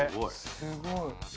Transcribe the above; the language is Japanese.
すごい。